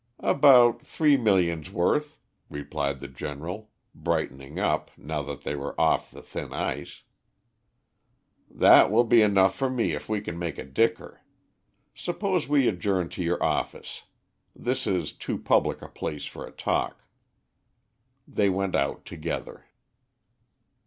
"About three millions' worth," replied the General, brightening up, now that they were off the thin ice. "That will be enough for me if we can make a dicker. Suppose we adjourn to your office. This is too public a place for a talk." They went out together.